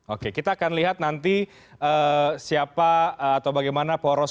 oke kita akan lihat nanti siapa atau bagaimana poros